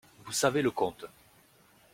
Vous savez le conte.